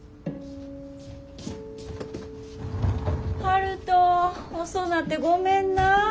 悠人遅なってごめんな。